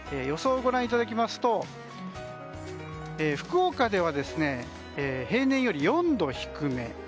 予想をご覧いただきますと福岡では平年より４度低め。